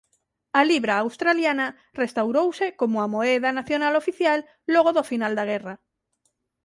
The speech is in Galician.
A libra australiana restaurouse como a moeda nacional oficial logo do final da Guerra.